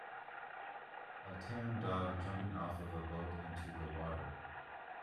A tan dog jumping off of a boat into the water.